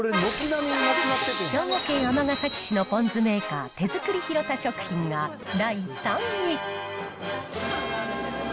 兵庫県尼崎市のポン酢メーカー、手造りひろた食品が第３位。